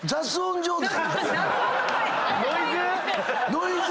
ノイズ？